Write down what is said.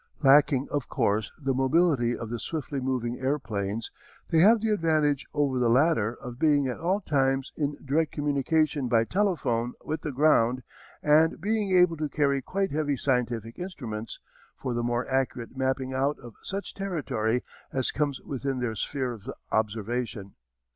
Lacking of course the mobility of the swiftly moving airplanes, they have the advantage over the latter of being at all times in direct communication by telephone with the ground and being able to carry quite heavy scientific instruments for the more accurate mapping out of such territory as comes within their sphere of observation.